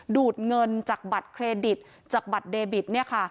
ดูดเงินจากบัตรเครดิตจากบัตรเดบิต